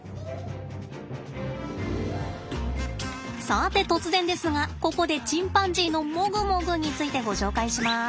さて突然ですがここでチンパンジーのもぐもぐについてご紹介します！